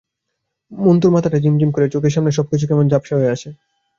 মন্তুর মাথাটা ঝিমঝিম করে, চোখের সামনের সবকিছু কেমন ঝাপসা হয়ে আসে।